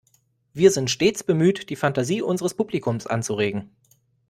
Wir sind stets bemüht, die Fantasie unseres Publikums anzuregen.